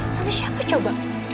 sampai siapa yang mencoba